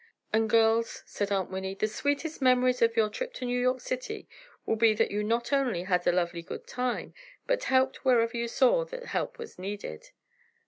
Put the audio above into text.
"And girls," said Aunt Winnie, "the sweetest memories of your trip to New York City will be that you not only had a lovely good time, but helped wherever you saw that help was needed."